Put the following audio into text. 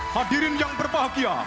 hadirin yang berbahagia